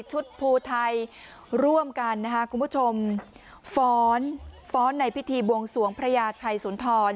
ภูไทยร่วมกันนะคะคุณผู้ชมฟ้อนฟ้อนในพิธีบวงสวงพระยาชัยสุนทร